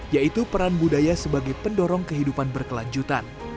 yaitu peran budaya sebagai pendorong kehidupan berkelanjutan